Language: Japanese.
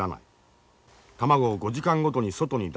卵を５時間ごとに外に出して冷やし